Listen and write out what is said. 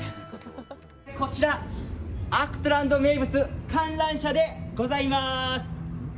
こちら、アクトランド名物観覧車でございます。